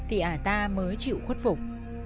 thì ả ta mới chịu khuất phục